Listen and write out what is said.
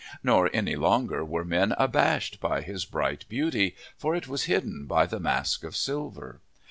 Nor any longer were men abashed by his bright beauty, for it was hidden by the mask of silver.